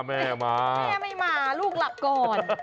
แม่ไม่มาลูกหลับก่อน